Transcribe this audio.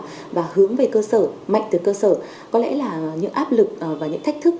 theo hướng là tinh gọn hoạt động hiệu lực hiệu quả và hướng về cơ sở mạnh từ cơ sở có lẽ là những áp lực và những thách thức